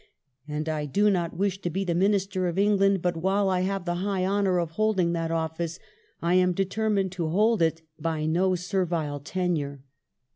... I do not wish to be the Minister of England, but, while I have the high honour of holding that office, L am determined to hold it by no servile tenure.